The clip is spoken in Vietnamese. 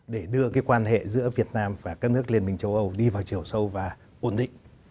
để đưa cái quan hệ giữa việt nam và các nước liên minh châu âu đi vào chiều sâu và ổn định